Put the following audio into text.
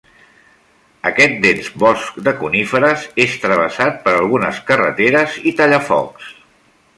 Aquest dens bosc de coníferes és travessat per algunes carreteres i tallafocs.